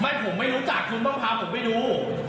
ไม่ผมไม่รู้จักคุณต้องพาผมไปดู